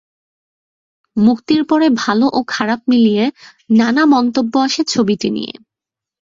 মুক্তির পরে ভালো ও খারাপ মিলিয়ে নানা মন্তব্য আসে ছবিটি নিয়ে।